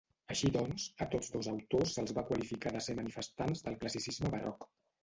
Així doncs, a tots dos autors se'ls va qualificar de ser manifestants del classicisme barroc.